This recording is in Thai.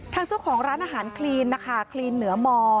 ทางเจ้าของร้านอาหารคลีนนะคะคลีนเหนือม